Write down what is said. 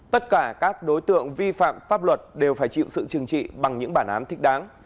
tất cả các đối tượng vi phạm pháp luật đều phải chịu sự chừng trị bằng những bản án thích đáng